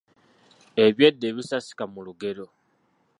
Eby'edda ebisasika mu lugero.